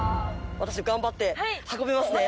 私頑張って運びますね。